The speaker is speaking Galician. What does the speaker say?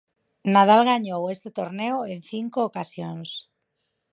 Nadal gañou este torneo en cinco ocasións.